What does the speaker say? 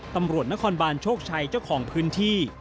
ตำรวจนครบานโชคชัยเจ้าของพื้นที่